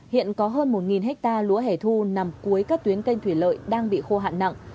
hiện có hơn một ha lúa hẻ thu nằm cuối các tuyến canh thủy lợi đang bị khô hạn nặng